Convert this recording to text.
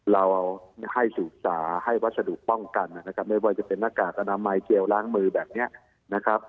เราให้ศึกษาให้วัสดุป้องกันนะครับไม่ว่าจะเป็นหน้ากากอนามัยเจลล้างมือแบบนี้นะครับ